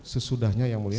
sesudahnya yang mulia